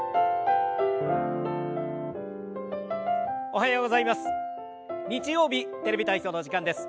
おはようございます。